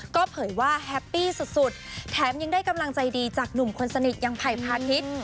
ก็เผยว่าแฮปปี้สุดแถมยังได้กำลังใจดีจากหนุ่มคนสนิทอย่างไผ่พาทิศ